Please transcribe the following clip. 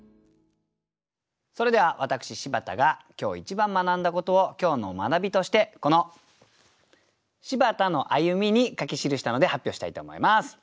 それでは私柴田が今日一番学んだことを今日の学びとしてこの「柴田の歩み」に書き記したので発表したいと思います。